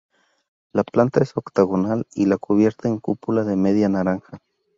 La planta es octogonal y la cubierta en cúpula de media naranja.